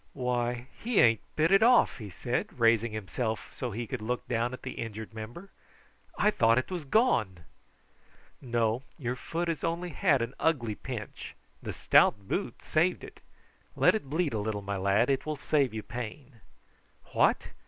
"Why, he ain't bit it off!" he said, raising himself so that he could look down at the injured member. "I thought it was gone." "No; your foot has only had an ugly pinch; the stout boot saved it. Let it bleed a little, my lad; it will save you pain." "What!